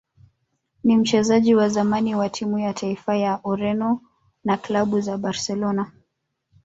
ni mchezaji wa zamani wa timu ya taifa ya Ureno na klabu za Barcelona